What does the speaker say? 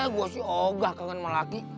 gue sih ogah kangen sama laki